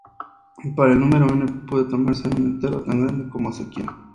Para el número "n" puede tomarse un entero tan grande como se quiera.